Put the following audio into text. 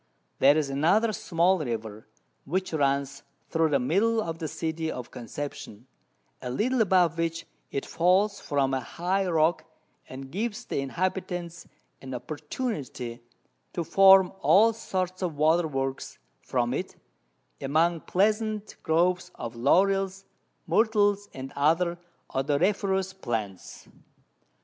There's another small River, which runs through the middle of the City of Conception, a little above which it falls from a high Rock, and gives the Inhabitants an Opportunity to form all sorts of Water works from it, among pleasant Groves of Lawrels, Myrtles, and other odoriferous Plants.